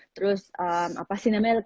terus apa sih namanya